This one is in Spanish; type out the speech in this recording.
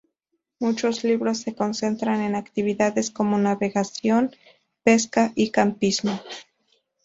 Muchos libros se concentran en actividades como navegación, pesca y campismo.